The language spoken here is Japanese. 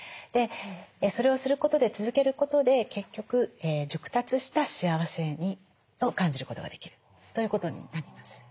でそれをすることで続けることで結局熟達した幸せを感じることができるということになります。